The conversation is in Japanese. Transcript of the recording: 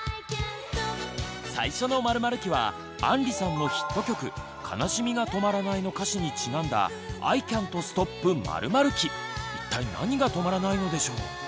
最初の○○期は杏里さんのヒット曲「悲しみがとまらない」の歌詞にちなんだ一体何がとまらないのでしょう？